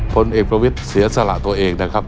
ผลเอกประวิทย์เสียสละตัวเองนะครับ